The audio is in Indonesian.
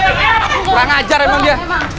kurang ajar emang dia